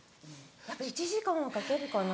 やっぱ１時間はかけるかな。